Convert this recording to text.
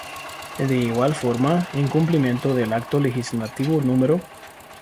De igual forma, en cumplimiento del el Acto Legislativo No.